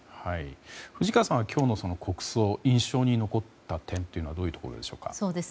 藤川さんは今日の国葬、印象に残った点はどういうところでしょうか。